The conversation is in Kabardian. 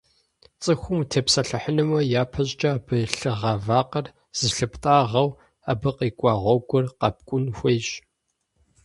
Цӏыхум утепсэлъыхьынумэ, япэ щӏыкӏэ абы лъыгъа вакъэр зылъыптӏагъэу, абы къикӏуа гъуэгур къэпкӏун хуейщ.